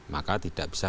maka tidak bisa